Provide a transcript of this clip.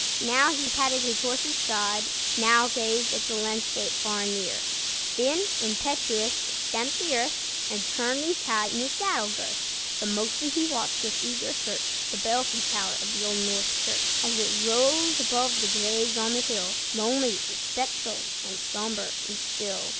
Now he patted his horse's side, Now gazed at the landscape far and near, Then, impetuous, stamped the earth, And turned and tightened his saddle girth; But mostly he watched with eager search The belfry tower of the Old North Church, As it rose above the graves on the hill, Lonely and spectral and sombre and still.